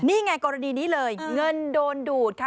นี่ไงกรณีนี้เลยเงินโดนดูดค่ะ